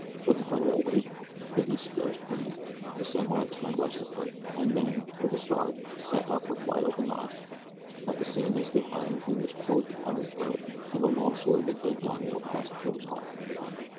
Would the fellow awake? Billy scarce breathed. The samurai turned restlessly, and then, with a start, sat up with wide open eyes. At the same instant iron fingers closed upon his throat and the long sword of his dead daimio passed through his heart.